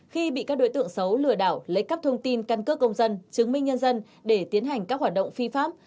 khi bị các đối tượng xấu lừa đảo lấy cắp thông tin căn cước công dân chứng minh nhân dân để tiến hành các hoạt động phi pháp